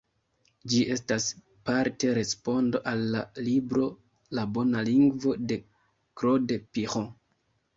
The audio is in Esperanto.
Ĝi estas parte respondo al la libro "La Bona Lingvo", de Claude Piron.